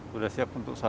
sudah siap untuk shalat